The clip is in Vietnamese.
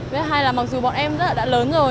với hai là mặc dù bọn em đã lớn rồi